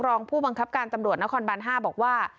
รองผู้บังคับการตำรวจนครบาน๕บอกว่า